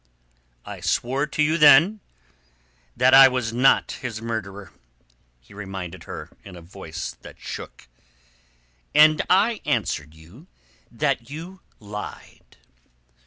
"I swore to you, then, that I was not his murderer," he reminded her in a voice that shook. "And I answered you that you lied."